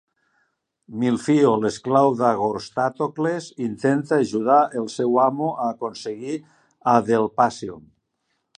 Milphio, l'esclau d'Agorastocles, intenta ajudar el seu amo a aconseguir Adelphasium.